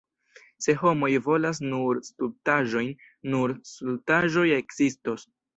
Se homoj volas nur stultaĵojn, nur stultaĵoj ekzistos.